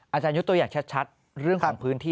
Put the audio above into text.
อาจารยุตตัวอยากชัดเรื่องของพื้นที่